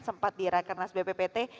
sempat di rekenas bppt